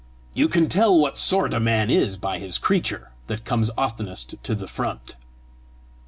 You can tell what sort a man is by his creature that comes oftenest to the front."